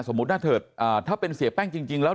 สมมุติถ้าเธอถ้าเป็นเสียแป้งจริงแล้ว